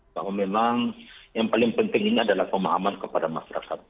bahwa memang yang paling penting ini adalah pemahaman kepada masyarakat